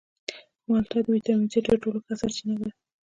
مالټه د ویټامین سي تر ټولو ښه سرچینه ده.